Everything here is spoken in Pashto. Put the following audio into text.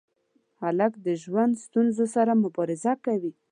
هلک د ژوند ستونزو سره مبارزه کوي.